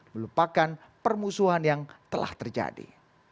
melupakan permusuhan yang telah terjadi